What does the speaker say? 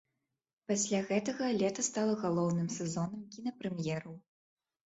Пасля гэтага лета стала галоўным сезонам кінапрэм'ераў.